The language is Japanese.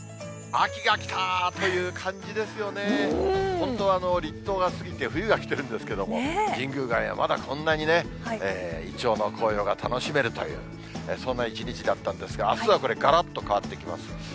本当は立冬が過ぎて冬が来てるんですけれども、神宮外苑、まだこんなにイチョウの黄葉が楽しめるという、そんな一日だったんですが、あすはこれ、がらっと変わっていきます。